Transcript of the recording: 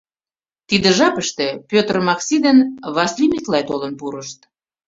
Тиде жапыште Петр Макси ден Васлий Миклай толын пурышт.